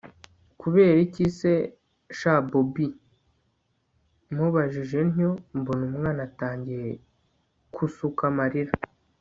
kuberiki se sha bobi!? mubajije ntyo, mbona umwana atangiye kusuka amarira